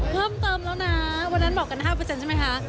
เพิ่มเติมแล้วนะวันนั้นบอกกัน๕ใช่ไหมคะ